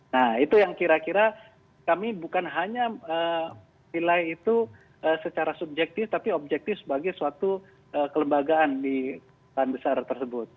nah itu yang kira kira kami bukan hanya nilai itu secara subjektif tapi objektif sebagai suatu kelembagaan di perusahaan besar tersebut